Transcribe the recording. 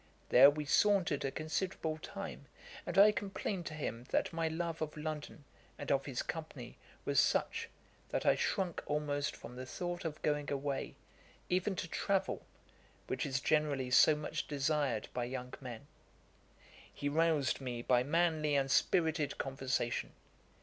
There we sauntered a considerable time; and I complained to him that my love of London and of his company was such, that I shrunk almost from the thought of going away, even to travel, which is generally so much desired by young men. He roused me by manly and spirited conversation.